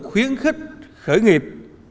khuyến khích khởi nghiệp